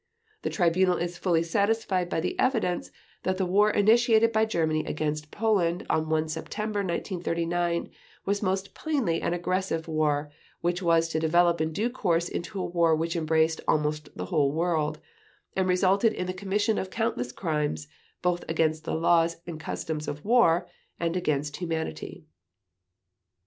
The Tribunal is fully satisfied by the evidence that the war initiated by Germany against Poland on 1 September 1939 was most plainly an aggressive war, which was to develop in due course into a war which embraced almost the whole world, and resulted in the commission of countless crimes, both against the laws and customs of war, and against humanity.